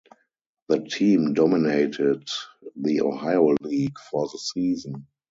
The team dominated the Ohio League for the season.